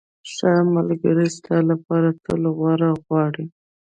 ښه ملګری ستا لپاره تل غوره غواړي.